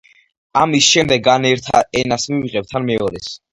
ამის შემდეგ ან ერთ ენას მივიღებთ ან მეორეს.